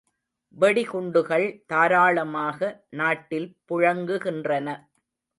வெடி குண்டுகள் தாராளமாக நாட்டில் புழங்குகின்றன.